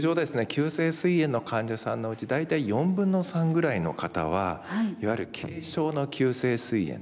急性すい炎の患者さんのうち大体４分の３ぐらいの方はいわゆる軽症の急性すい炎と。